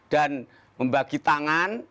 dan membagi tangan